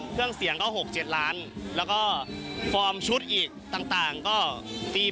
เนื้อเรียบจากอะไร